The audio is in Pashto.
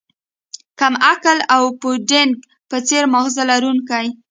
کم عقل او د پوډینګ په څیر ماغزه لرونکی